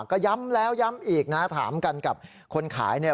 ก็ย้ำแล้วย้ำอีกนะถามกันกับคนขายเนี่ย